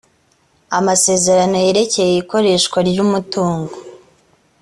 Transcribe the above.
amasezerano yerekeye ikoreshwa ry umutungo